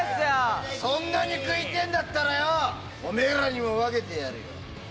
そんなに食いてえんだったらよ、おめぇらにも分けてやるよ。